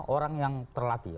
orang yang terlatih